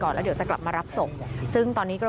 ผมยังอยากรู้ว่าว่ามันไล่ยิงคนทำไมวะ